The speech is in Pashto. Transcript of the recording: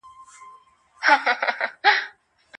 که هڅه ونه کړې، نو هیڅکله به بریا ترلاسه نه کړې.